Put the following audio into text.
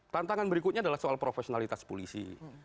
tantangan berikutnya adalah soal profesionalitas polisi